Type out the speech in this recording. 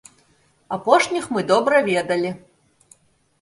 Апошніх мы добра ведалі.